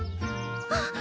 あっ！